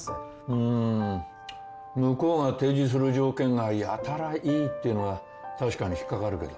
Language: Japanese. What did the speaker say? うーん向こうが提示する条件がやたらいいっていうのは確かに引っ掛かるけど。